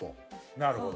なるほど。